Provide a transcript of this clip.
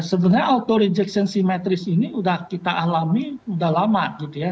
sebenarnya auto rejection simetris ini sudah kita alami udah lama gitu ya